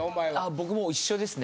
僕も一緒ですね。